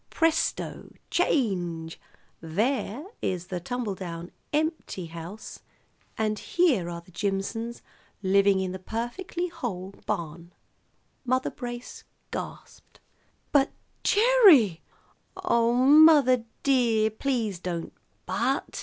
Presto! Change! There is the tumble down house empty, and here are the Jimsons living in the perfectly whole barn." Mother Brace gasped. "But Gerry " "Oh, mother dear, please don't 'but.'